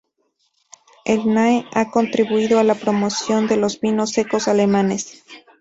El Nahe ha contribuido a la promoción de los vinos secos alemanes.